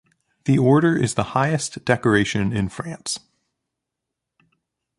The Order is the highest decoration in France.